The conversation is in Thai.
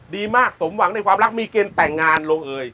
ดีมากสมหวังในความรักมีเกณฑ์แต่งงานลงเอย